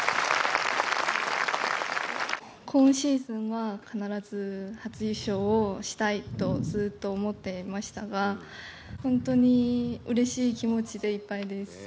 今シーズンは必ず初優勝をしたいとずっと思っていましたが本当にうれしい気持ちでいっぱいです。